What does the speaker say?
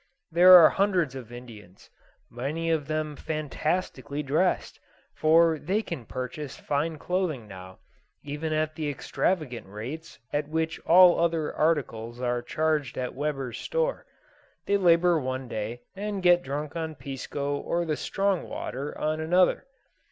There are hundreds of Indians, many of them fantastically dressed, for they can purchase fine clothing now, even at the extravagant rates at which all articles are charged at Weber's store. They labour one day, and get drunk on pisco or the "strong water" on another.